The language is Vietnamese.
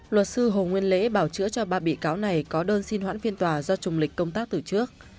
luật sư hồ nguyên lễ bảo chữa cho ba bị cáo này có đơn xin hoãn phiên tòa do trùng lịch công tác từ trước